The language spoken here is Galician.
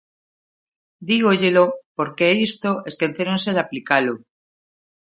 Dígollelo porque isto esquecéronse de aplicalo.